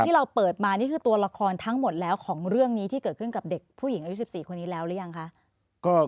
ที่เราเปิดมานี่คือตัวละครทั้งหมดแล้วของเรื่องนี้ที่เกิดขึ้นกับเด็กผู้หญิงอายุ๑๔คนนี้แล้วหรือยังคะ